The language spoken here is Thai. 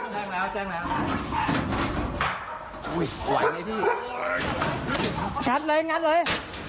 งัดเลยงัดเลย